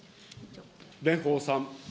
蓮舫さん。